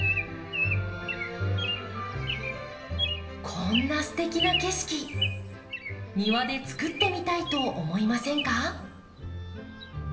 こんなすてきな景色庭でつくってみたいと思いませんか？